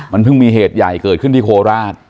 มันเพิ่งมีเหตุใหญ่เกิดขึ้นที่โคราช